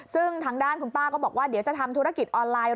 ซึ่งทางด้านคุณป้าก็บอกว่าเดี๋ยวจะทำธุรกิจออนไลน์